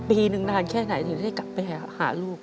ปีนึงนานแค่ไหนถึงได้กลับไปหาลูก